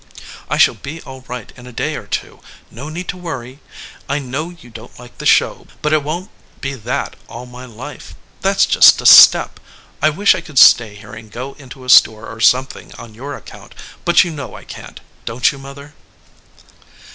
I shall be all right in a day or two no need to worry. I know you don t like the show, but it won t be that all my life. That s just a step. I wish I could stay here and go into a store or some thing on your account, but you know I can t, don t you, mother?"